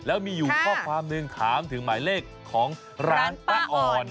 แล้วมีอยู่ข้อความหนึ่งถามถึงหมายเลขของร้านป้าอ่อน